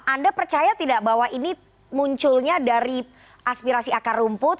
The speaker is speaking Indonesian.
anda percaya tidak bahwa ini munculnya dari aspirasi akar rumput